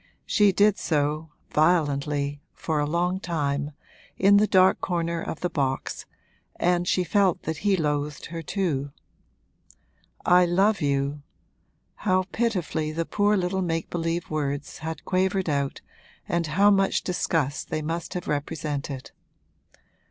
She did so, violently, for a long time, in the dark corner of the box, and she felt that he loathed her too. 'I love you!' how pitifully the poor little make believe words had quavered out and how much disgust they must have represented!